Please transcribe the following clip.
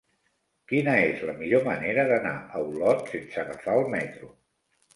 Quina és la millor manera d'anar a Olot sense agafar el metro?